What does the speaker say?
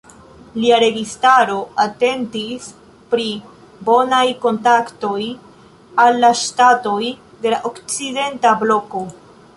Lia registaro atentis pri bonaj kontaktoj al la ŝtatoj de la okcidenta bloko.